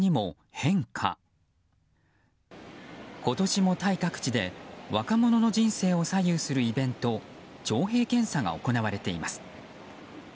今年もタイ各地で若者の人生を左右するイベント徴兵検査が行われています。